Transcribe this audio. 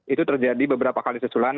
itu terjadi beberapa kali susulan